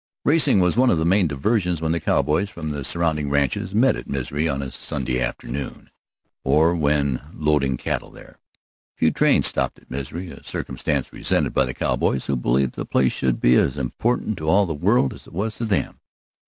Racing was one of the main diversions when the cowboys from the surrounding ranches met at Misery on a Sunday afternoon, or when loading cattle there. Few trains stopped at Misery, a circumstance resented by the cowboys, who believed the place should be as important to all the world as it was to them.